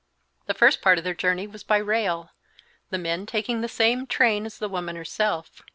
The first part of their journey was by rail, the men taking the same train as the woman herself.